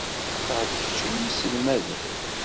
Axaṭer d kečč i iyi-isselmaden.